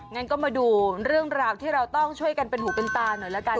งั้นก็มาดูเรื่องราวที่เราต้องช่วยกันเป็นหูเป็นตาหน่อยละกัน